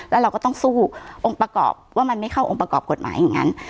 แล้วเราก็ต้องสู้องค์ประกอบว่ามันไม่เข้าองค์ประกอบกฎหมายอย่างนั้น